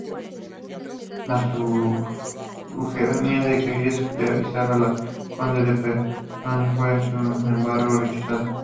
La sugerencia de Keyes de avisar al Conde de Peterborough fue, sin embargo, rechazada.